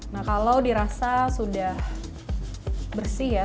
nah kalau dirasa sudah bersih ya